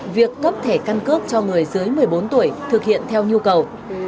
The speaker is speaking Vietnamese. việc cấp thẻ căn cước cho người dưới một mươi bốn tuổi thực hiện theo nhu cầu